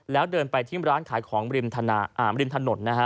แล้วเดินไปที่ร้านขายของริมถนนนะฮะ